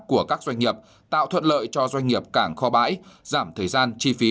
của các doanh nghiệp tạo thuận lợi cho doanh nghiệp cảng kho bãi giảm thời gian chi phí